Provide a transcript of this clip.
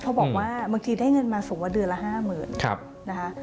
เขาบอกว่าบางทีได้เงินมาสมมุติว่าเดือนละ๕๐๐๐๐บาท